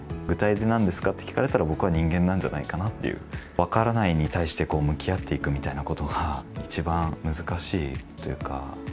具体的になんですかって聞かれたら、僕は人間なんじゃないかなっていう、分からないに対して、向き合っていくということが一番難しいというか。